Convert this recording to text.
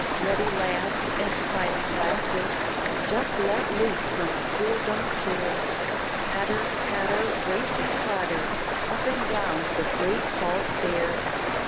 Ruddy lads and smiling lasses, just let loose from schooldom's cares, Patter, patter, race and clatter, up and down the great hall stairs.